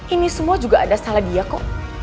ini semua juga ada salah dia kok